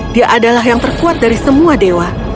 dia adalah yang terkuat dari semua dewa